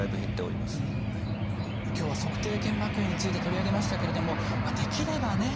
今日は足底腱膜炎について取り上げましたけれどもできればね